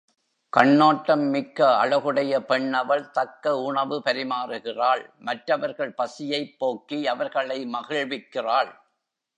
கண்ணோட்டம் மிக்க அழகுடைய பெண் அவள் தக்க உணவு பரிமாறுகிறாள் மற்றவர்கள் பசியைப் போக்கி அவர்களை மகிழ்விக்கிறாள்.